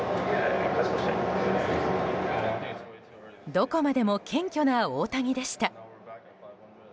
どこまでも謙虚な大谷でした。